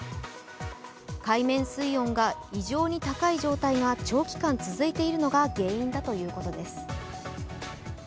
海面水温が異常に高い状態が長期間続いているのが原因だということです。